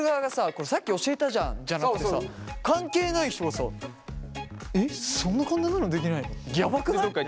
これさっき教えたじゃんじゃなくてさ関係ない人がさ「えっそんな簡単なのできないの？」ってやばくない？